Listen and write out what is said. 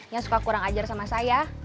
yang suka kurang ajar sama saya